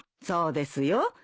そうですよ。